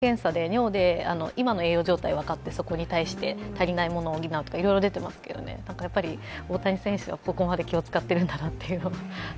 日本でも尿検査で今の栄養状態が分かってそこに対して足りないものを補うとか、いろいろ出ていますけどね、大谷選手はここまで気を使っているんだなと。